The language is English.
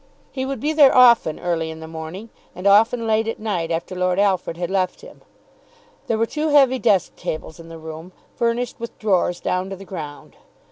He would be there often early in the morning, and often late at night after Lord Alfred had left him. There were two heavy desk tables in the room, furnished with drawers down to the ground.